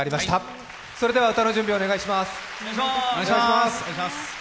それでは歌の準備お願いします。